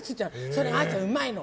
それがあーちゃん、うまいの。